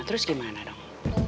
terus gimana dong